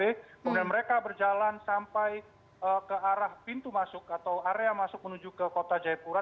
kemudian mereka berjalan sampai ke arah pintu masuk atau area masuk menuju ke kota jayapura